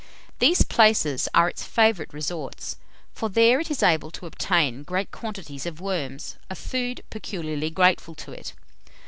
These places are its favourite resorts; for there it is able to obtain great quantities of worms, a food peculiarly grateful to it.